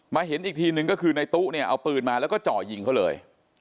เห็นอีกทีนึงก็คือในตู้เนี่ยเอาปืนมาแล้วก็จ่อยิงเขาเลย